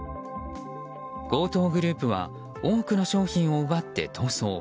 強盗グループは多くの商品を奪って逃走。